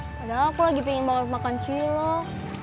padahal aku lagi pengen banget makan cilok